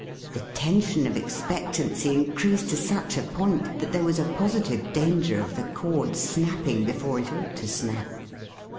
The tension of expect ancy increased to such a point that there was a positive danger of the cord snapping before it ought to snap.